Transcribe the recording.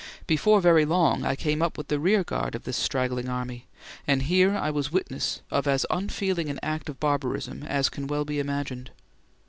Before very long I came up with the rearguard of this straggling army, and here I was witness of as unfeeling an act of barbarism as can well be imagined.